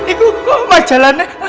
ikut kok majalannya